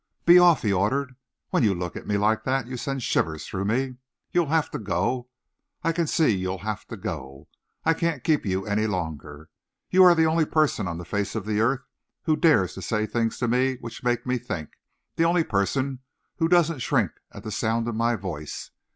"Be off!" he ordered. "When you look at me like that, you send shivers through me! You'll have to go; I can see you'll have to go. I can't keep you any longer. You are the only person on the face of the earth who dares to say things to me which make me think, the only person who doesn't shrink at the sound of my voice.